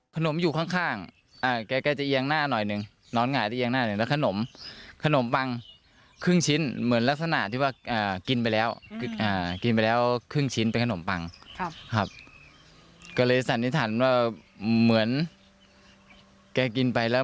ขนมอยู่ข้างแกจะเอียงหน้าหน่อยนึงน้องหงายจะเอียงหน้าหนึ่ง